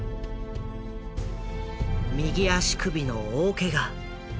右足首の大ケガ。